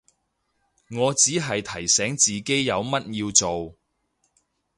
我只係提醒自己有乜要做